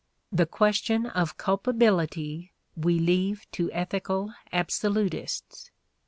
The question of culpability we leave to ethical absolutists.